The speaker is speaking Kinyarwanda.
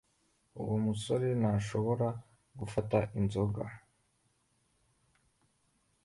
Uwo musore ntashobora gufata inzoga.